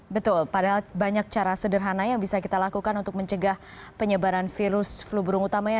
betul padahal banyak cara sederhana yang bisa kita lakukan untuk mencegah penyebaran virus flu burung utamanya